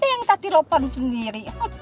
yang tatiro pan sendiri